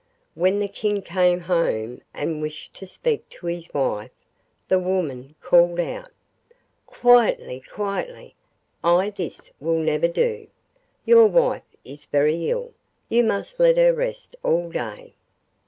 When the King came home and wished to speak to his wife the woman called out: 'Quietly, quietly! this will never do; your wife is very ill, you must let her rest all to day.